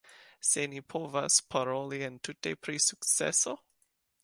Se ni povas paroli entute pri sukceso?